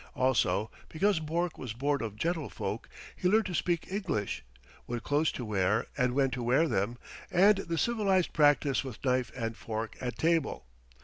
Also, because Bourke was born of gentlefolk, he learned to speak English, what clothes to wear and when to wear them, and the civilized practice with knife and fork at table.